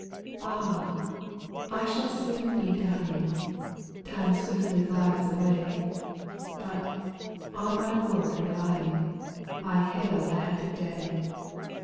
1. A H I I shall soon be dying, ix Time swiftly glides away ; But, on my Lord relying, I hail the happy day.